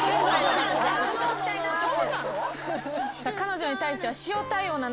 さあ彼女に対しては。